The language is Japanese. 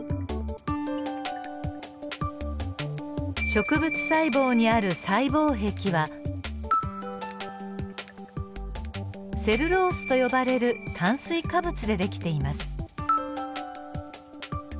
植物細胞にある細胞壁はセルロースと呼ばれる炭水化物でできています。